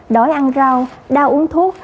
đói ăn rau đau uống thuốc